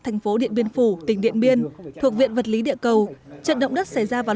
thành phố điện biên phủ tỉnh điện biên thuộc viện vật lý địa cầu trận động đất xảy ra vào